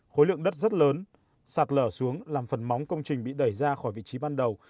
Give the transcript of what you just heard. khối lượng đất rất lớn sạt lở xuống làm phần móng công trình bị đẩy ra khỏi vị trí ban đầu